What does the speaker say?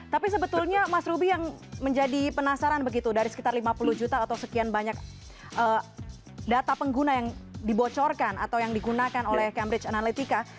tapi sebetulnya mas ruby yang menjadi penasaran begitu dari sekitar lima puluh juta atau sekian banyak data pengguna yang dibocorkan atau yang digunakan oleh cambridge analytica